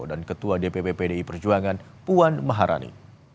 dan ketua dpp pdi perjuangan puan maharani